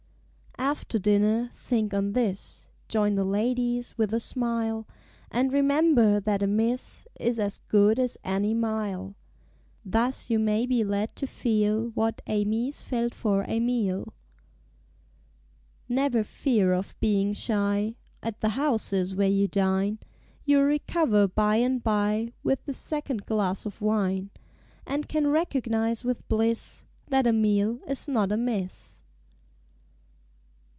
After dinner think on this; Join the ladies with a smile, And remember that a Miss Is as good as any mile. (Thus you may be led to feel What Amis felt for Amile.) Never fear of being shy At the houses where you dine; You'll recover by and bye, With the second glass of wine; And can recognize with bliss That a Meal is not amiss.